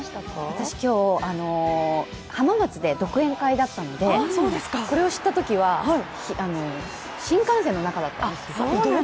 私、今日、浜松で独演会だったのでこれを知ったときは新幹線の中だったんですよ。